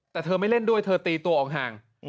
แต่เธอไม่เล่นด้วยเธอตีตัวออกห่าง